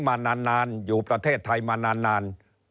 มานานอยู่ประเทศไทยมานาน